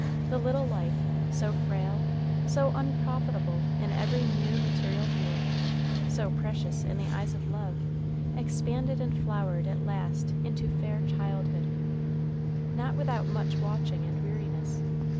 The little life, so frail, so unprofitable in every mere material view, so precious in the eyes of love, expanded and flowered at last into fair childhood. Not without much watching and weariness.